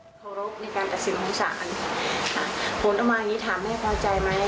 เคารพในการตัดสินของศาลค่ะผลออกมาอย่างงี้ถามแม่พอใจไหม